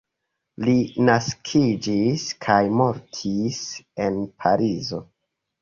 Li naskiĝis kaj mortis en Parizo.